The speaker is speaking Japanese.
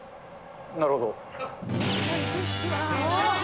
なるほど。